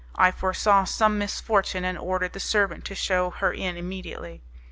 I foresaw some misfortune, and ordered the servant to shew her in immediately.